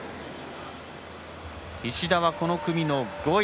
石田はこの組、５位。